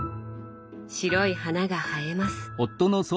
白い花が映えます。